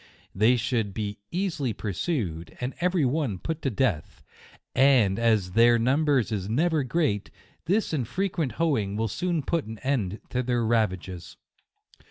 They suould be early pursued, and every one put to death ; and as their number is never great, this and frequent hoeing will soon put an end to their ravages.